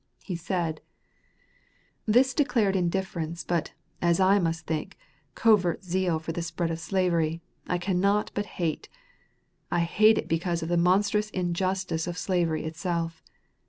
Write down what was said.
He said: This declared indifference but, as I must think, covert zeal for the spread of slavery, I cannot but hate. I hate it because of the monstrous injustice of slavery itself.